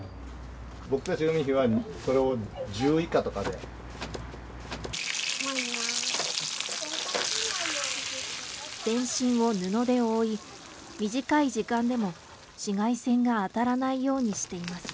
僕たち、海陽は、全身を布で覆い、短い時間でも紫外線が当たらないようにしています。